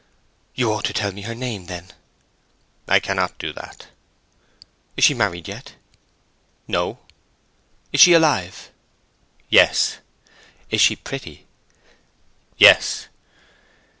"You ought to tell me her name, then." "I cannot do that." "Is she married yet?" "No." "Is she alive?" "Yes." "Is she pretty?" "Yes."